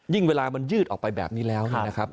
ยิ่งเวลามันยืดออกไปแบบนี้แล้วนะครับ